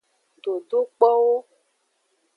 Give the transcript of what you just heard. Dodokpowo.